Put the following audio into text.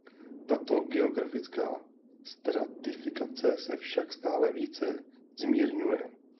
Tato geografická stratifikace se však stále více zmírňuje.